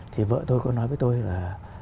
thì vợ tôi có nói với tôi là